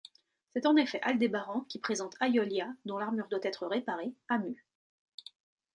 C’est en effet Aldébaran qui présente Aiolia, dont l’armure doit être réparée, à Mû.